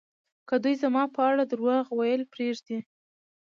که دوی زما په اړه درواغ ویل پرېږدي